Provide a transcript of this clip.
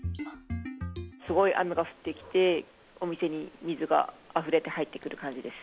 すごい雨が降ってきて、お店に水があふれて入ってくる感じです。